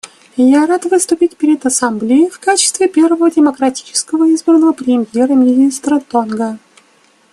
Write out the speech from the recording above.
Я рад выступать перед Ассамблеей в качестве первого демократически избранного премьер-министра Тонга.